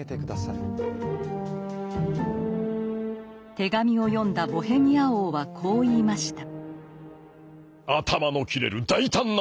手紙を読んだボヘミア王はこう言いました。